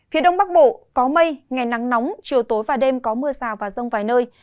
phía đông bắc bộ có mây ngày nắng nóng chiều tối và đêm có mưa rào và rông vài nơi